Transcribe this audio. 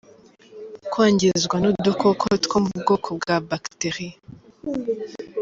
Kwangizwa n’udukoko two mu bwoko bwa ‘Bactéries’.